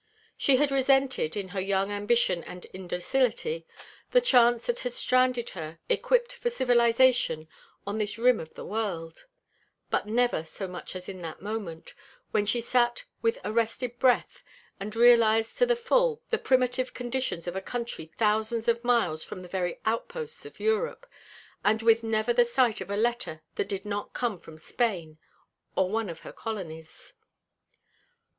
She had resented, in her young ambition and indocility, the chance that had stranded her, equipped for civilization, on this rim of the world, but never so much as in that moment, when she sat with arrested breath and realized to the full the primitive conditions of a country thousands of miles from the very outposts of Europe, and with never the sight of a letter that did not come from Spain or one of her colonies.